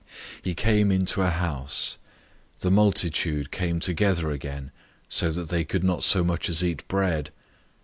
He came into a house. 003:020 The multitude came together again, so that they could not so much as eat bread.